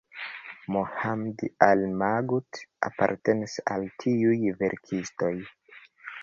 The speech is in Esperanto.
Mohamed Al-Maghout apartenas al tiuj verkistoj.